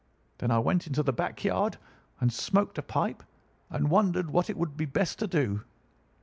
Then I went into the back yard and smoked a pipe and wondered what it would be best to do.